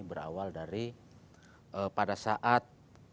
berawal dari pada saat